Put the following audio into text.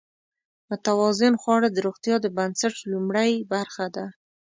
متوازن خواړه د روغتیا د بنسټ لومړۍ برخه ده.